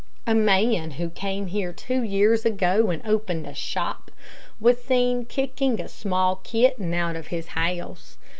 A man, who came here two years ago and opened a shop, was seen kicking a small kitten out of his house.